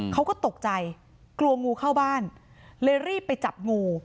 เขาก็ตกใจกลัวงูเข้าบ้านเลยรีบไปจับงู